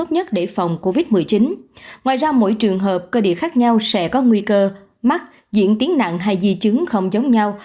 ngoài ra mỗi trường hợp cơ địa khác nhau sẽ có nguy cơ mắc diễn tiến nặng hay di chứng không giống nhau